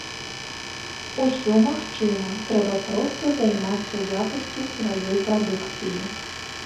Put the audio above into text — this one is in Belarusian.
Усё магчыма, трэба проста займацца якасцю сваёй адукацыі.